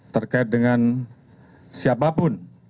terkait dengan siapapun